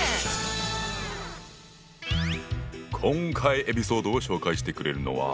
今回エピソードを紹介してくれるのは。